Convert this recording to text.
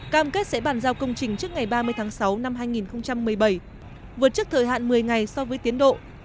cam kết sẽ bàn giao công trình trước ngày ba mươi tháng sáu năm hai nghìn một mươi bảy vượt trước thời hạn một mươi ngày so với tiến độ